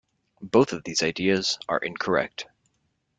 Both of these ideas are incorrect.